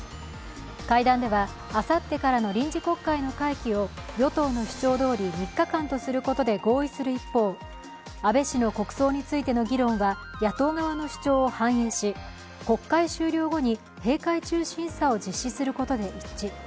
会談ではあさってからの臨時国会の会期を与党の主張どおり３日間とすることで合意する一方、安倍氏の国葬についての議論は野党側の主張を反映し、国会終了後に閉会中審査を実施することで一致。